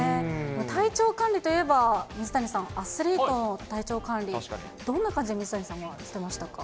体調管理といえば、水谷さん、アスリート、体調管理、どんな感じに、水谷さんはしてましたか。